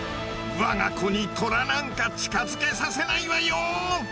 我が子にトラなんか近づけさせないわよ！